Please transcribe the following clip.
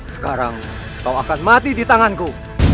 sekarang kau akan mati di tanganku